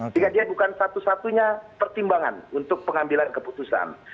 sehingga dia bukan satu satunya pertimbangan untuk pengambilan keputusan